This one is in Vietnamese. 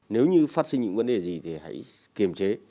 nếu như phát sinh những vấn đề gì thì hãy kiềm chế